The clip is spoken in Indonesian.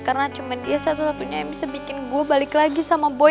karena cuma dia satu satunya yang bisa bikin gue balik lagi sama boy